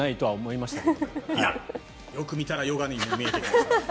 いやよく見たらヨガに見える。